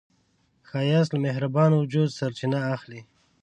ښایست له مهربان وجوده سرچینه اخلي